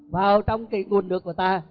vào trong cái nguồn nước của ta